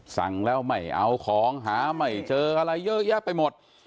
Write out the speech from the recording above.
สั่งแล้วไม่เอาของหาไม่เจออะไรเยอะแยะไปหมด